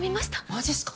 マジっすか？